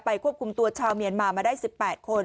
ควบคุมตัวชาวเมียนมามาได้๑๘คน